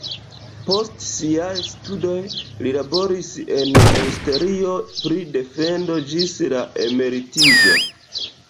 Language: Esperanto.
Post siaj studoj li laboris en ministerio pri defendo ĝis la emeritiĝo.